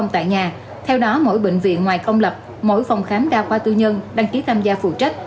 tại nhà theo đó mỗi bệnh viện ngoài công lập mỗi phòng khám đa khoa tư nhân đăng ký tham gia phụ trách